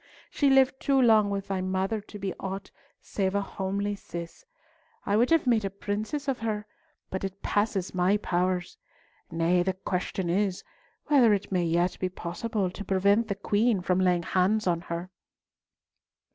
She lived too long with thy mother to be aught save a homely Cis. I would have made a princess of her, but it passes my powers. Nay, the question is, whether it may yet be possible to prevent the Queen from laying hands on her."